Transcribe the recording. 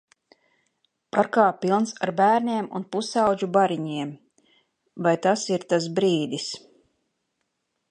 Parkā pilns ar bērniem un pusaudžu bariņiem. Vai tas ir tas brīdis.